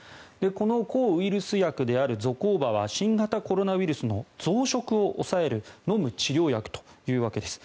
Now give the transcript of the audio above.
この抗ウイルス薬であるゾコーバは新型コロナウイルスの増殖を抑える飲む治療薬というわけです。